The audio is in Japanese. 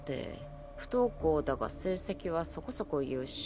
不登校だが成績はそこそこ優秀。